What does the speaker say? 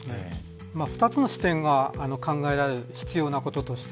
２つの視点が考えられて必要なこととして。